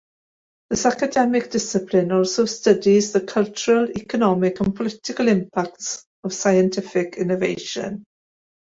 This academic discipline also studies the cultural, economic, and political impacts of scientific innovation.